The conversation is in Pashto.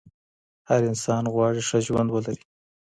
هر انسان غواړي ښه ژوند ولري.